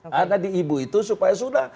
karena di ibu itu supaya sudah